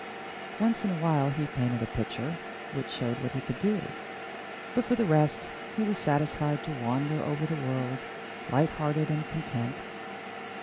Once in a while he painted a picture which showed what he could do; but for the rest, he was satisfied to wander over the world, light hearted and content.